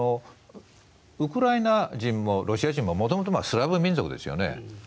ウクライナ人もロシア人ももともとスラヴ民族ですよね。